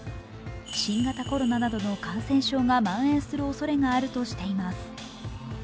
新型コロナなどの感染者がまん延するおそれがあるとしています。